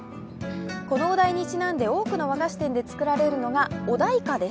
このお題にちなんで多くの和菓子店で作られるのがお題歌です。